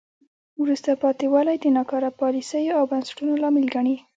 وروسته پاتې والی د ناکاره پالیسیو او بنسټونو لامل ګڼي.